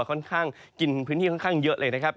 ค่อนข้างกินพื้นที่ค่อนข้างเยอะเลยนะครับ